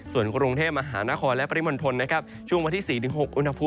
ส่วนกรุงเทพฯมหานครและไฟริมันทน